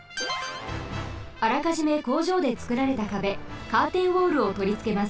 あらかじめ工場でつくられた壁カーテンウォールをとりつけます。